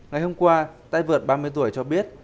ngày hôm qua tay vợt ba mươi tuổi cho biết